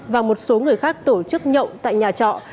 và một số người khác tổ chức nhậu tại nhà trọ